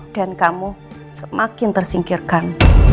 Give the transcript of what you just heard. dan kamu semakin tersingkirkan